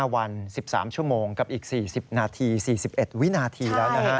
๕วัน๑๓ชั่วโมงกับอีก๔๐นาที๔๑วินาทีแล้วนะฮะ